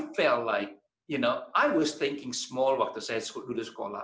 saya merasa seperti saya berpikir kecil ketika saya bersekolah